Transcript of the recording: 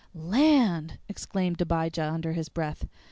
"Land!" exclaimed Abijah under his breath.